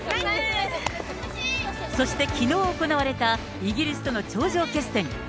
そしてきのう行われたイギリスとの頂上決戦。